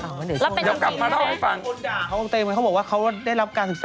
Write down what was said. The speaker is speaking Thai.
แล้วกลับมาเล่าให้ฟัง